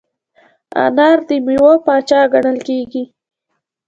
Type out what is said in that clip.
انار د میوو پاچا ګڼل کېږي.